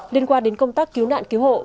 liên quan đến công tác cứu nạn cứu hộ